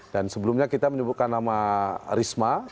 dan sebelumnya kita menyebutkan nama rismos